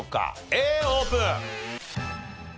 Ａオープン。